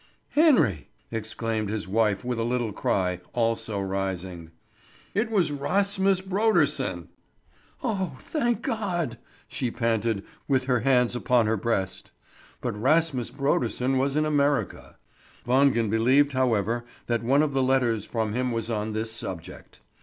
"Henry!" exclaimed his wife with a little cry, also rising. "It was Rasmus Brodersen." "Oh, thank God!" she panted, with her hands upon her breast. But Rasmus Brodersen was in America. Wangen believed, however, that one of the letters from him was on this subject.